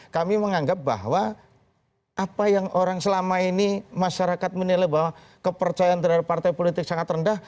kami menganggap bahwa apa yang orang selama ini masyarakat menilai bahwa kepercayaan terhadap partai politik sangat rendah